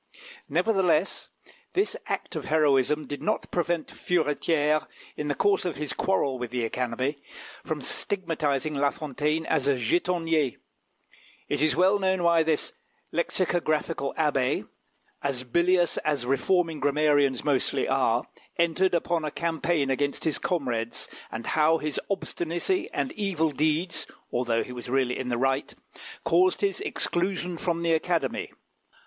Nevertheless, this act of heroism did not prevent Furetière, in the course of his quarrel with the Academy, from stigmatising La Fontaine as a jetonnier. It is well known why this lexicographical abbé, as bilious as reforming grammarians mostly are, entered upon a campaign against his comrades, and how his obstinacy and evil deeds, although he was really in the right, caused his exclusion from the Academy.